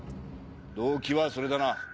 動機はそれだな。